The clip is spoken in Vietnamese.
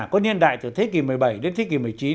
có niên đại từ thế kỷ một mươi bảy đến thế kỷ một mươi chín